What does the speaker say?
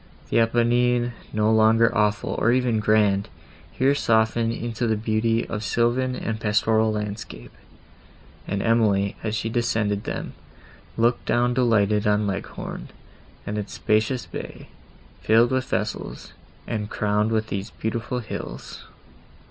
The Apennines, no longer awful, or even grand, here softened into the beauty of sylvan and pastoral landscape; and Emily, as she descended them, looked down delighted on Leghorn, and its spacious bay, filled with vessels, and crowned with these beautiful hills.